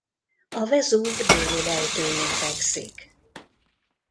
A Vezúv déli lejtőjén fekszik.